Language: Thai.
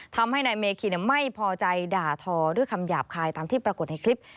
ทำให้นายเมคินไม่พอใจด่าทอด้วยคำหยาบคายตามที่ปรากฏในคลิป